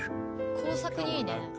工作にいいね。